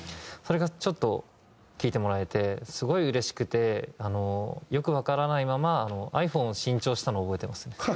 それがちょっと聴いてもらえてすごいうれしくてよくわからないままｉＰｈｏｎｅを新調したのを覚えてますね。